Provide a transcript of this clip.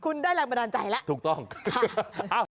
คุณได้รักบันดาลใจแล้วค่ะค่ะคุณได้รักบันดาลใจแล้ว